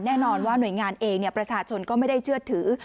แน่นอนว่าหน่วยงานเองประชาชนก็ไม่ได้เชื่อถือ